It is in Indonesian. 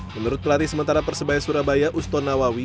menurut pelatih sementara persebaya surabaya uston nawawi